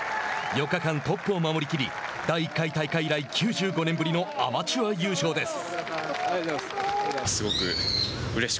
４日間トップを守りきり第１回大会以来９５年ぶりのアマチュア優勝です。